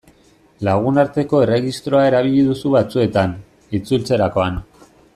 Lagunarteko erregistroa erabili duzu batzuetan, itzultzerakoan.